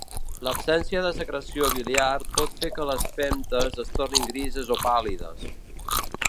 L'absència de secreció biliar pot fer que les femtes es tornin grises o pàl·lides.